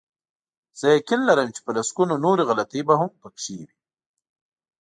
زه یقین لرم چې په لسګونو نورې غلطۍ به هم پکې وي.